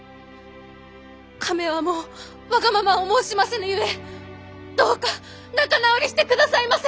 亀はもうわがままを申しませぬゆえどうか仲直りしてくださいませ！